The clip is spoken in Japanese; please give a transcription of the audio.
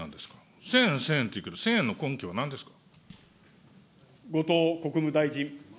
１０００円、１０００円って言うけど１０００円の根拠ってなんですか。